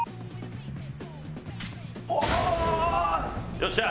よっしゃ！